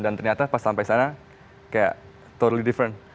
dan ternyata pas sampai sana kayak totally different